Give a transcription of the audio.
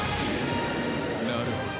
なるほど。